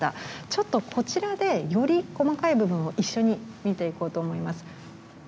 ちょっとこちらでより細かい部分を一緒に見ていこうと思います。